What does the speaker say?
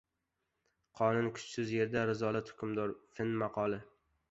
Qonun kuchsiz yerda razolat hukmron. Fin maqoli